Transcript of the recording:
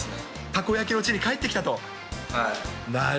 たこ焼きの地に帰ってきたと。